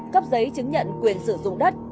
cấp giấy chứng nhận quyền sử dụng đất